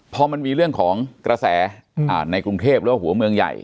พอมันมีเรื่องของกระแสในกรุงเทพหรือว่าหัวเมืองใหญ่